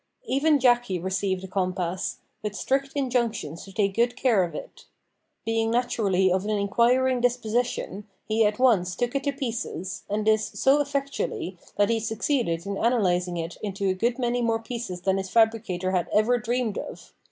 Even Jacky received a compass, with strict injunctions to take good care of it. Being naturally of an inquiring disposition, he at once took it to pieces, and this so effectually that he succeeded in analysing it into a good many more pieces than its fabricator had ever dreamed of.